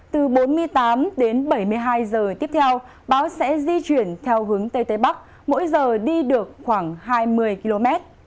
từ bốn mươi tám đến bảy mươi hai giờ tiếp theo bão sẽ di chuyển theo hướng tây tây bắc mỗi giờ đi được khoảng hai mươi km